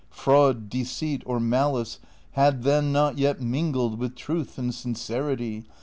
Fraud, deceit, or malice had then not yet mingled Avith truth and sincerity.